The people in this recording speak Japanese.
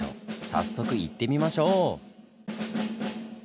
早速行ってみましょう！